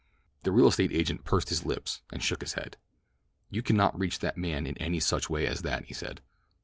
The real estate agent pursed his lips and shook his head. "You cannot reach that man in any such way as that," he said.